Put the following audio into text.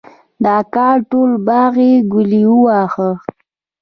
د کال ټول باغ یې ګلي وواهه.